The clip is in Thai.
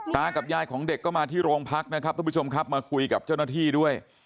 กับยายของเด็กก็มาที่โรงพักนะครับทุกผู้ชมครับมาคุยกับเจ้าหน้าที่ด้วย